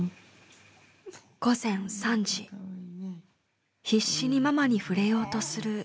午前３時必死にママに触れようとする夕青くん。